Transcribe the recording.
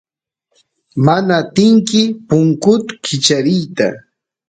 mana atinki punkut kichariyta